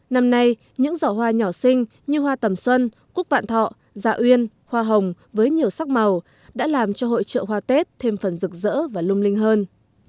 năm nay những giỏ hoa nhỏ sinh như hoa tầm xuân cúc vạn thọ dạ uyên hoa hồng với nhiều sắc màu đã làm cho hội trợ hoa tết thêm phần rực rỡ và lung linh hơn